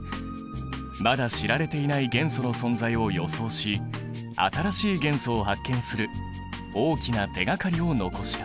まだ知られていない元素の存在を予想し新しい元素を発見する大きな手がかりを残した。